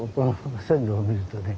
線路を見るとね。